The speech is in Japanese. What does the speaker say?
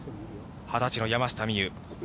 ２０歳の山下美夢有。